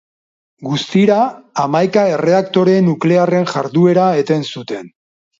Guztira, hamaika erreaktore nuklearren jarduera eten zuten.